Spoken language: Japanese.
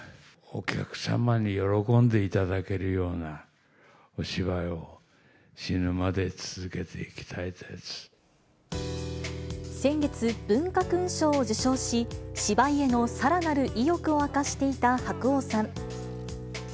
お客様に喜んでいただけるようなお芝居を死ぬまで続けていきたい先月、文化勲章を受章し、芝居へのさらなる意欲を明かしていた白鸚さん。